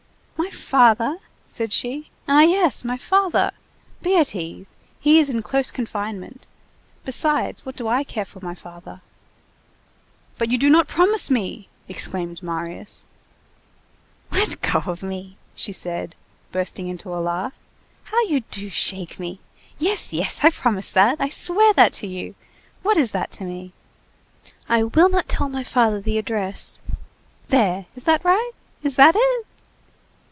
"My father!" said she. "Ah yes, my father! Be at ease. He's in close confinement. Besides, what do I care for my father!" "But you do not promise me!" exclaimed Marius. "Let go of me!" she said, bursting into a laugh, "how you do shake me! Yes! Yes! I promise that! I swear that to you! What is that to me? I will not tell my father the address. There! Is that right? Is that it?"